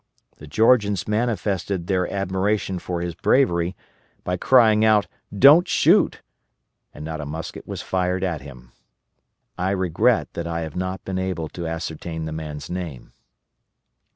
The Georgians manifested their admiration for his bravery by crying out "Don't shoot," and not a musket was fired at him.* I regret that I have not been able to ascertain the man's name.